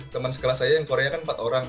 teman sekelas saya yang korea kan empat orang